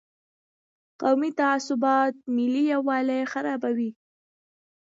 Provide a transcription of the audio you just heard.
قومي تعصبات ملي یووالي خرابوي.